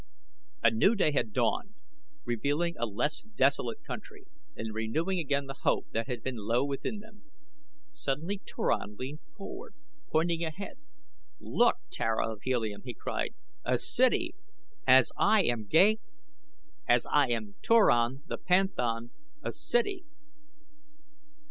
A new day had dawned, revealing a less desolate country and renewing again the hope that had been low within them. Suddenly Turan leaned forward, pointing ahead. "Look, Tara of Helium!" he cried. "A city! As I am Ga as I am Turan the panthan, a city."